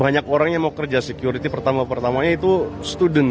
banyak orang yang mau kerja security pertama pertamanya itu student